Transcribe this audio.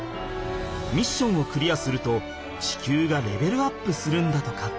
ミッションをクリアすると地球がレベルアップするんだとか。